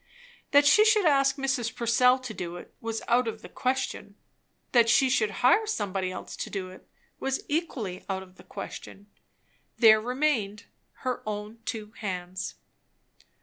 That she should ask Mrs. Purcell to do it, was out of the question. That she should hire somebody else to do it, was equally out of the question. There remained her own two hands.